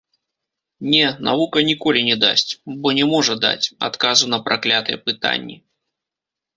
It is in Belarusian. Не, навука ніколі не дасць, бо не можа даць, адказу на праклятыя пытанні.